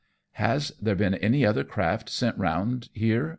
" Has there been any other craft sent round here